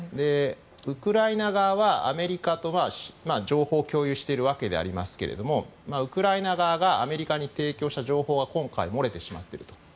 ウクライナ側はアメリカと情報を共有してるわけでありますけれどもウクライナ側がアメリカに提供した情報が今回漏れてしまっていると。